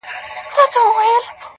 په دا ماته ژبه چاته پیغام ورکړم-